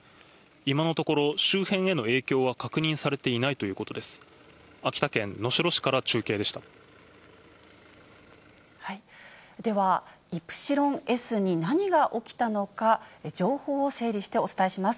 今のところ、周辺への影響は確認されていないということです。